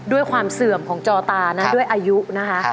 ความเสื่อมของจอตานะด้วยอายุนะคะ